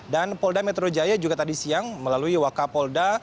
dan polda metro jaya juga tadi siang melalui waka polda